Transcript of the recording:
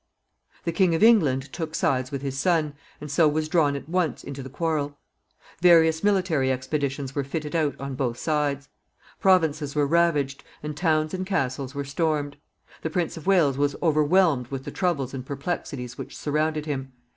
The King of England took sides with his son, and so was drawn at once into the quarrel. Various military expeditions were fitted out on both sides. Provinces were ravaged, and towns and castles were stormed. The Prince of Wales was overwhelmed with the troubles and perplexities which surrounded him.